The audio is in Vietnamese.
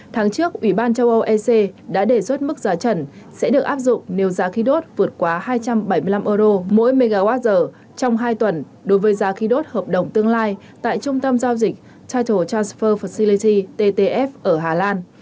tháng trước ủy ban châu âu ec đã đề xuất mức giá trần sẽ được áp dụng nếu giá khí đốt vượt quá hai trăm bảy mươi năm euro mỗi mwh trong hai tuần đối với giá khí đốt hợp đồng tương lai tại trung tâm giao dịch ty transpher fileti ttf ở hà lan